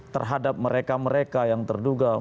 terhadap mereka mereka yang terduga